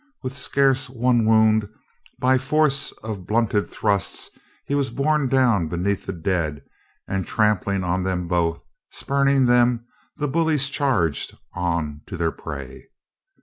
With scarce one wound, by force of blunted thrusts, he was borne down beneath the dead, and trampling on them both, spurning them, the bullies charged on to their prey.